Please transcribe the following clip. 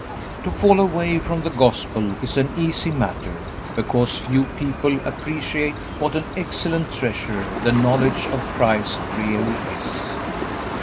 To fall away from the Gospel is an easy matter because few people appreciate what an excellent treasure the knowledge of Christ really is.